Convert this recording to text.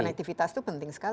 konektivitas itu penting sekali